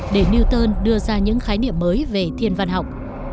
để newton đưa ra những khái niệm mới về thiên văn học